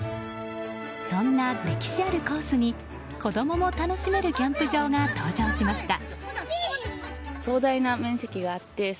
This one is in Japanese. そんな歴史あるコースに子供も楽しめるキャンプ場が登場しました。